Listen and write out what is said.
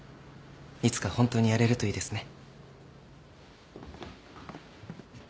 いつか本当にやれるといいですね。